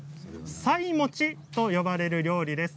さい餅と呼ばれる料理です。